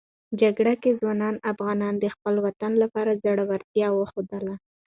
جګړې کې ځوان افغانان د خپل وطن لپاره زړورتیا وښودله.